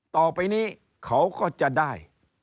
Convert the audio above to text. ต่อไปนี้เขาก็จะได้